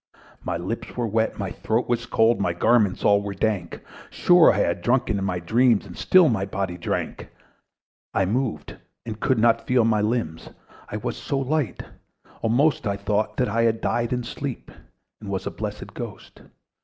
My lips were wet, my throat was cold, My garments all were dank; Sure I had drunken in my dreams, And still my body drank. I moved, and could not feel my limbs: I was so light almost I thought that I had died in sleep, And was a blessed ghost.